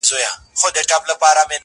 خو باور ستا په ورورۍ به څنگه وکړم!.